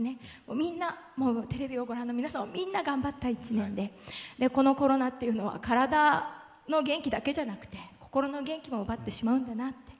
みんなテレビをご覧の皆さんもみんな頑張った１年で、このコロナっていうのは体の元気だけじゃなくて、心の元気も奪ってしまうんだなって。